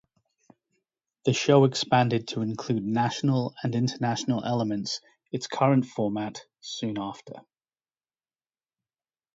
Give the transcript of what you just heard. The show expanded to include national and international elements, its current format, soon after.